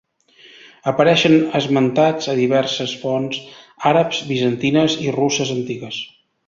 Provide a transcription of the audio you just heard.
Apareixen esmentats a diverses fonts àrabs, bizantines i russes antigues.